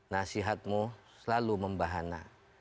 nasihatmu selalu membahana